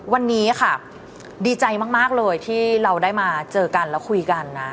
วันนี้ค่ะดีใจมากเลยที่เราได้มาเจอกันแล้วคุยกันนะ